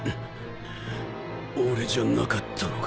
俺じゃなかったのか？